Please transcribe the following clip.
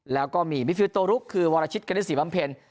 แล้วก็มีมิดฟิลโตรุ๊คคือวรชิตเกณฑษีปัมเพลิน